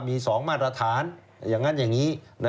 มี๒มาตรฐานอย่างนั้นอย่างนี้